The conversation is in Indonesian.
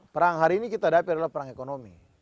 perang hari ini kita hadapi adalah perang ekonomi